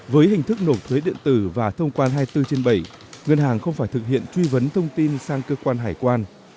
với hình thức nộp thuế điện tử và thông quan hai mươi bốn trên bảy ngân hàng không phải thực hiện truy vấn thông tin sang cơ quan hải quan